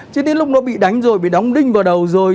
chỉ đến lúc nó bị đánh rồi bị đóng đinh vào đầu rồi